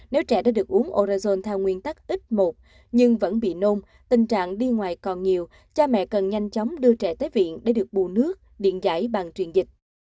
nếu trẻ đã được uống orezon theo nguyên tắc ít một nhưng vẫn bị nôn tình trạng đi ngoài còn nhiều cha mẹ cần nhanh chóng đưa trẻ tới viện để được bù nước điện giải bằng truyền dịch